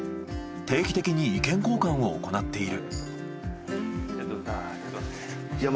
定期的に意見交換を行っている。